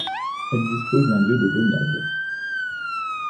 Elle dispose d'un lieu de baignade.